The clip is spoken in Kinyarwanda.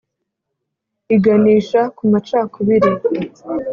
Iganisha ku macakubiri